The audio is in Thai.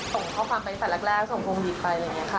ส่งข้อความไปแสดงแรกส่งโครงผีไปเรื่อยค่ะ